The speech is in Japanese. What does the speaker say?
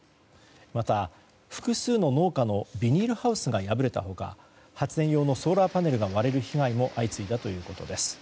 また、複数の農家のビニールハウスが破れた他発電用のソーラーパネルが割れる被害も相次いだということです。